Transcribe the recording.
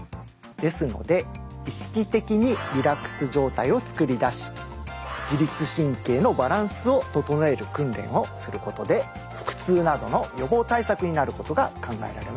ですので意識的にリラックス状態を作り出し自律神経のバランスを整える訓練をすることで腹痛などの予防対策になることが考えられます。